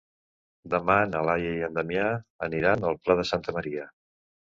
Demà na Laia i en Damià aniran al Pla de Santa Maria.